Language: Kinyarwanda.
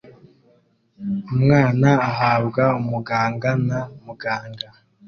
Umwana ahabwa umuganga na muganga